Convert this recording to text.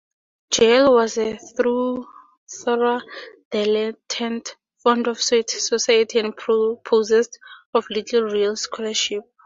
Gell was a thorough dilettante, fond of society and possessed of little real scholarship.